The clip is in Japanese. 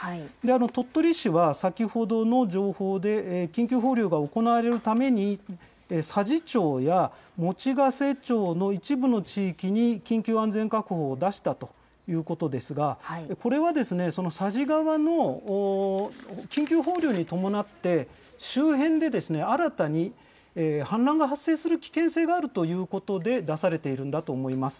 鳥取市は先ほどの情報で、緊急放流が行われるために、佐治町や用瀬町の一部の地域に、緊急安全確保を出したということですが、これはですね、その佐治川の緊急放流に伴って、周辺で新たに氾濫が発生する危険性があるということで出されているんだと思います。